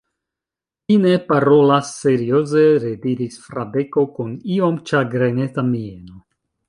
Vi ne parolas serioze, rediris Fradeko kun iom ĉagreneta mieno.